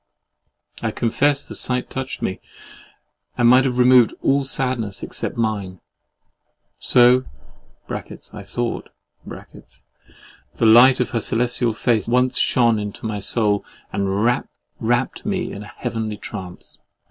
I confess the sight touched me; and might have removed all sadness except mine. So (I thought) the light of her celestial face once shone into my soul, and wrapt me in a heavenly trance.